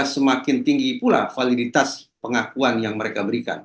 semakin tinggi pula validitas pengakuan yang mereka berikan